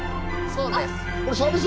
そうです。